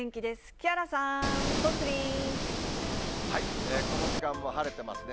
木原さん、この時間も晴れてますね。